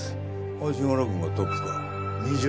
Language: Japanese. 足柄君がトップか。